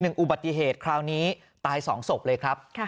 อุบัติเหตุคราวนี้ตายสองศพเลยครับ